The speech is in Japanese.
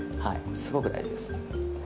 すごく大事です。